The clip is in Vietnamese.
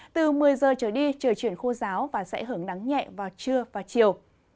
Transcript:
từ một mươi giờ trở đi trời chuyển khô giáo và sẽ hưởng nắng nhẹ vào trưa và chiều